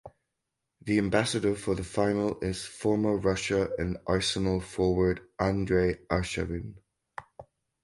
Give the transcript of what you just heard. The ambassador for the final is former Russia and Arsenal forward Andrey Arshavin.